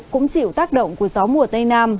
cũng chịu tác động của gió mùa tây nam